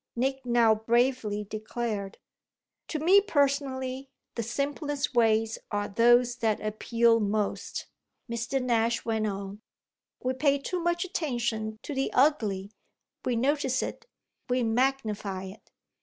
Nick now bravely declared. "To me personally the simplest ways are those that appeal most," Mr. Nash went on. "We pay too much attention to the ugly; we notice it, we magnify it.